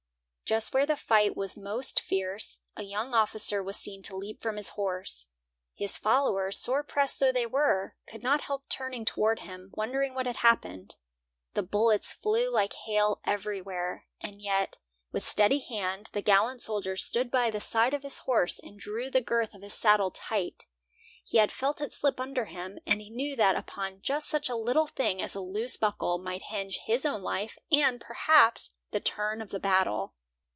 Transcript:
Just where the fight was most fierce, a young officer was seen to leap from his horse. His followers, sore pressed though they were, could not help turning toward him, wondering what had happened. The bullets flew like hail everywhere; and yet, with steady hand, the gallant soldier stood by the side of his horse and drew the girth of his saddle tight. He had felt it slip under him, and he knew that upon just such a little thing as a loose buckle might hinge his own life, and, perhaps, the turn of the battle.